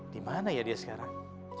dimana ya dia sekarang